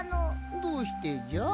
どうしてじゃ？